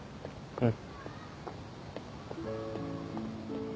うん。